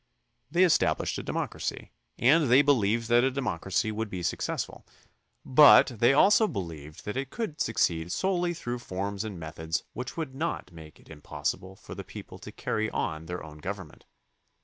They established a democracy, and they believed that a democracy would be successful; but 80 THE CONSTITUTION AND ITS MAKERS they also believed that it could succeed solely through forms and methods which would not make it impos sible for the people to carry on their own government.